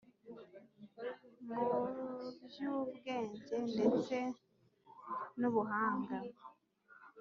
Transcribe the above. mu by’ubwenge ndetse nubuhanga